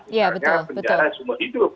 misalnya penjara semua hidup